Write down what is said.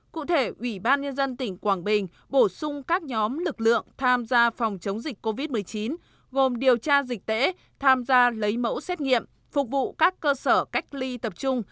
cụ thể ủy ban nhân dân tỉnh quảng bình bổ sung các nhóm lực lượng tham gia phòng chống dịch covid một mươi chín gồm điều tra dịch tễ tham gia lấy mẫu xét nghiệm phục vụ các cơ sở cách ly tập trung